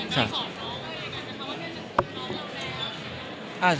เพราะว่าเพื่อนน้องน้องเราแล้ว